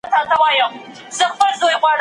څېړنه د محصلینو پټ استعدادونه ښکاره کولای سي.